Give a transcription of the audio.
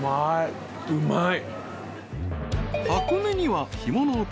うまい。